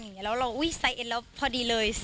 แล้วเราใส่เอ็ดแล้วพอดีเลย